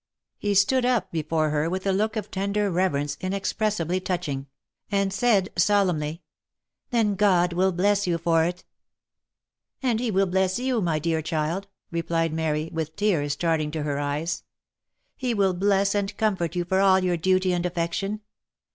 He stood up before her with a look of tender reverence inexpres sibly touching, and said solemnly —" Then God will bless you for it !" u And he will bless you, my dear child !" replied Mary, with tears starting to her eyes. He will bless and comfort you for all your duty and affection.